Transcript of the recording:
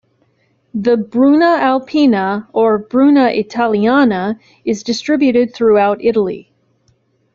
The Bruna Alpina or Bruna Italiana is distributed throughout Italy.